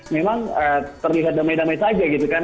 memang terlihat damai damai saja gitu kan